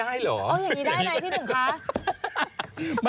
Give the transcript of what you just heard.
อย่างนี้ได้ไหมพี่หนุ่มคะ